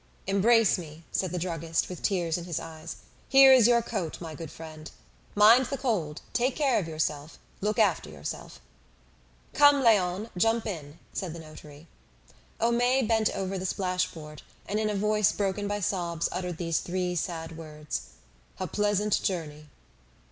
"Embrace me," said the druggist with tears in his eyes. "Here is your coat, my good friend. Mind the cold; take care of yourself; look after yourself." "Come, Léon, jump in," said the notary. Homais bent over the splash board, and in a voice broken by sobs uttered these three sad words "A pleasant journey!"